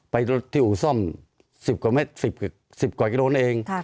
ไปรถที่อุซ่อม๑๐กว่ากิโลนเอง